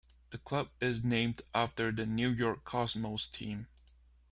The club is named after the New York Cosmos team.